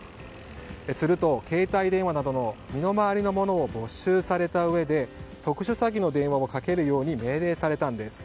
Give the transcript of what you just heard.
すると、携帯電話などの身の回りのものを没収されたうえで特殊詐欺の電話をかけるように命令されたんです。